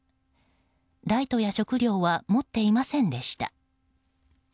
ライトや食料は持っていませんでした。